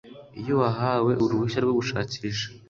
Iyo uwahawe uruhushya rwo gushakisha